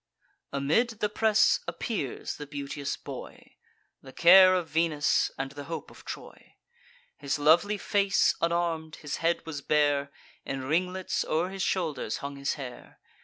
Amid the press appears the beauteous boy, The care of Venus, and the hope of Troy. His lovely face unarm'd, his head was bare; In ringlets o'er his shoulders hung his hair.